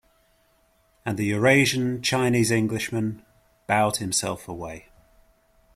And the Eurasian Chinese-Englishman bowed himself away.